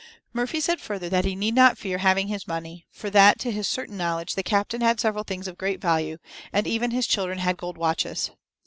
Murphy said further that he need not fear having his money, for that, to his certain knowledge, the captain had several things of great value, and even his children had gold watches.